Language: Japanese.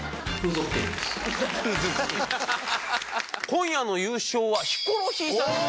今夜の優勝はヒコロヒーさんです。